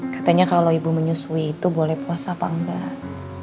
katanya kalau ibu menyusui itu boleh puasa apa enggak